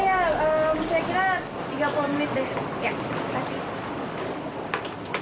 ya terima kasih